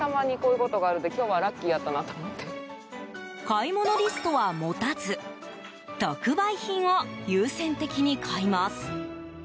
買い物リストは持たず特売品を優先的に買います。